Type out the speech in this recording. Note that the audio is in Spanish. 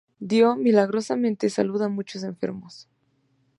Dio milagrosamente salud a muchos enfermos.